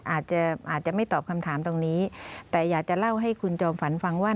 อาจจะอาจจะไม่ตอบคำถามตรงนี้แต่อยากจะเล่าให้คุณจอมฝันฟังว่า